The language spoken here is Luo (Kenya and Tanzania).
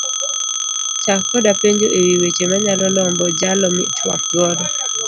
Chak koda penjo ewi weche manyalo lombo jalo mitwak godo